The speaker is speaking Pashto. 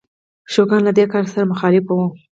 شوګان له دې کار سره مخالف و.